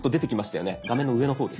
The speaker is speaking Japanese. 画面の上の方です。